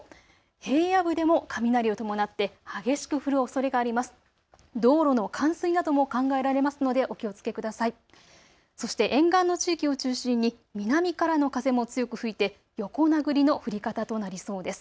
平野部でも雷を伴って激しく降るおそれがあります。